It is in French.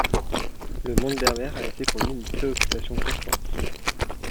Le monde berbère a été pour lui une préoccupation constante.